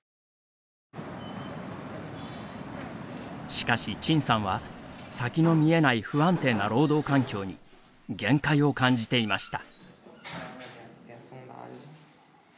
しかし陳さんは先の見えない不安定な労働環境に限界を感じていました。